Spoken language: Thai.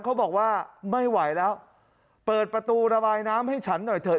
เขาบอกว่าไม่ไหวแล้วเปิดประตูระบายน้ำให้ฉันหน่อยเถอะ